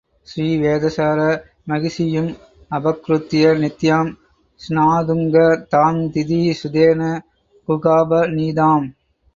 ஸ்ரீ வேதசார மகிஷியும் அபக்ருத்ய நித்யாம் ஸ்நாதுங்க தாம் திதி சுதேன குகாப நீதாம்.